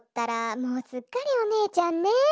もうすっかりおねえちゃんね。